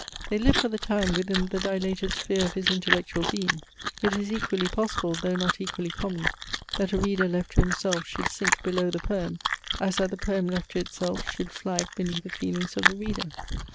They live for the time within the dilated sphere of his intellectual being. It is equally possible, though not equally common, that a reader left to himself should sink below the poem, as that the poem left to itself should flag beneath the feelings of the reader.